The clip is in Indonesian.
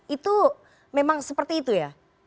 itu memang seperti itu ya